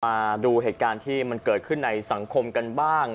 มาดูเหตุการณ์ที่มันเกิดขึ้นในสังคมกันบ้าง